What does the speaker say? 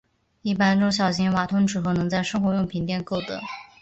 一般中小型瓦通纸盒能在生活用品店购得。